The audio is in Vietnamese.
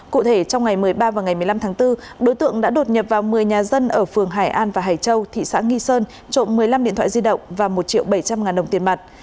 cụ thể trong ngày một mươi ba và ngày một mươi năm tháng bốn đối tượng đã đột nhập vào một mươi nhà dân ở phường hải an và hải châu thị xã nghi sơn trộm một mươi năm điện thoại di động và một triệu bảy trăm linh ngàn đồng tiền mặt